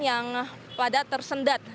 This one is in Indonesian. yang pada tersendat